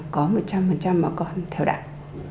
các bản mà có một trăm linh mà còn theo đảng